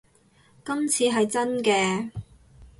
今次係真嘅